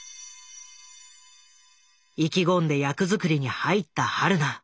意気込んで役作りに入った榛名。